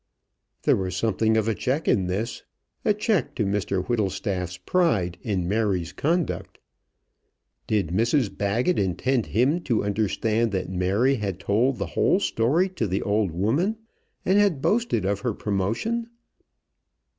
There was something of a check in this a check to Mr Whittlestaff's pride in Mary's conduct. Did Mrs Baggett intend him to understand that Mary had told the whole story to the old woman, and had boasted of her promotion?